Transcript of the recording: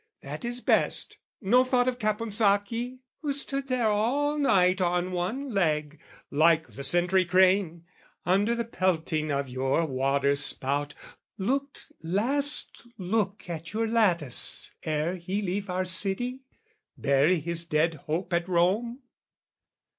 That is best. "No thought of Caponsacchi? who stood there "All night on one leg, like the sentry crane, "Under the pelting of your water spout "Looked last look at your lattice ere he leave "Our city, bury his dead hope at Rome?